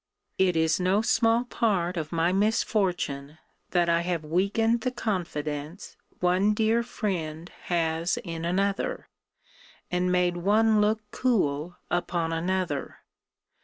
It is no small part of my misfortune that I have weakened the confidence one dear friend has in another, and made one look cool upon another.